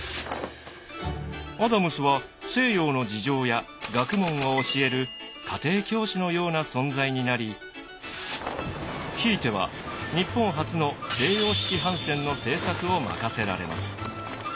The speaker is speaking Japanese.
アダムスは西洋の事情や学問を教える家庭教師のような存在になりひいては日本初の西洋式帆船の製作を任せられます。